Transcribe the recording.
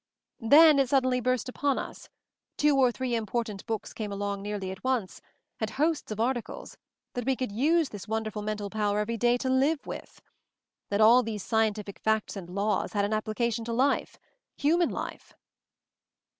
Then it suddenly burst upon us — two or three im portant books came along nearly at once, and hosts of articles — that we could use this wonderful mental power every day, to live with ! That all these scientific facts and laws had an application to life — human life."